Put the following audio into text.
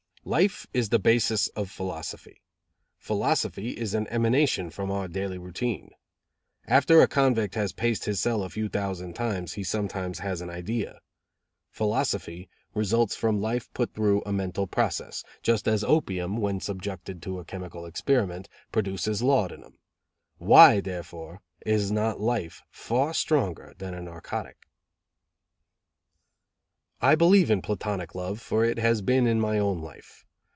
"Life is the basis of philosophy. Philosophy is an emanation from our daily routine. After a convict has paced his cell a few thousand times he sometimes has an idea. Philosophy results from life put through a mental process, just as opium, when subjected to a chemical experiment, produces laudanum. Why, therefore, is not life far stronger than a narcotic?" "I believe in platonic love, for it has been in my own life.